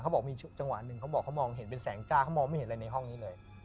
บอกมีจังหวะหนึ่งเขาบอกเขามองเห็นเป็นแสงจ้าเขามองไม่เห็นอะไรในห้องนี้เลย